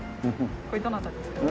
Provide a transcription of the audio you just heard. これどなたですか？